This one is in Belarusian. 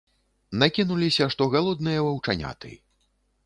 Накінуліся, што галодныя ваўчаняты.